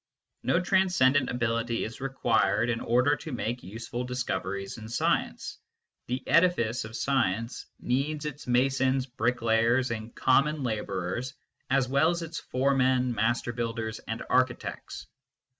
No transcendent ability is required in order to make useful discoveries in science ; the edifice of science needs its masons, bricklayers, and common labourers as well as its foremen, master builders, and architects.